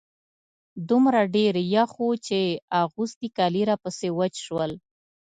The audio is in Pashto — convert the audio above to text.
دومره ډېر يخ و چې اغوستي کالي راپسې وچ شول.